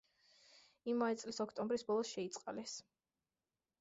იმავე წლის ოქტომბრის ბოლოს შეიწყალეს.